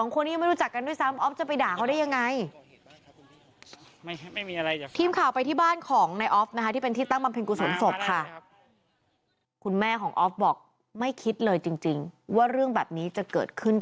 คนนี้ยังไม่รู้จักกันด้วยซ้ำออฟจะไปด่าเขาได้ยังไง